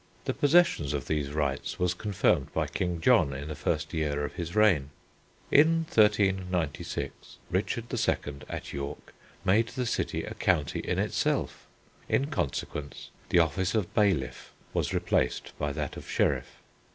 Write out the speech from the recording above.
The possession of these rights was confirmed by King John in the first year of his reign. In 1396 Richard II., at York, made the city a county in itself. In consequence the office of bailiff was replaced by that of sheriff.